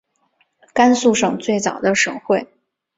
甘肃省最早的省会。